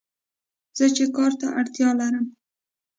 زه چې کار ته اړتیا لرم